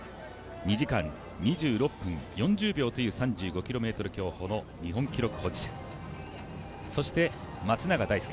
２時間２６分４０秒という３５ｋｍの日本記録保持者、そして松永大介。